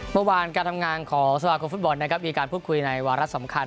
เมื่อวานการทำงานของสมาคมฟุตบอลนะครับมีการพูดคุยในวาระสำคัญ